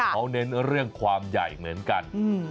เขาเน้นเรื่องความใหญ่เหมือนกัน